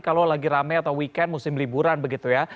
kalau lagi rame atau weekend musim liburan begitu ya